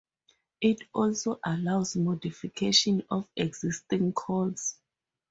It also allows modification of existing calls.